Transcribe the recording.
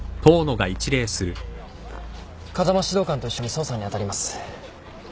風間指導官と一緒に捜査に当たります。